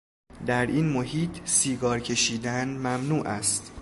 در این محیط، سیگار کشیدن ممنوع است